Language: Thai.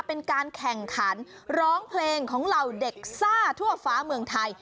เป็นการแข่งขันร้องเพลงของเหล่าเด็กซ่าทั่วฟ้าเมืองไทย